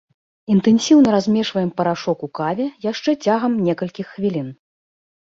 Інтэнсіўна размешваем парашок у каве яшчэ цягам некалькіх хвілін.